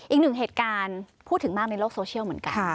อีกหนึ่งเหตุการณ์พูดถึงมากในโลกโซเชียลเหมือนกัน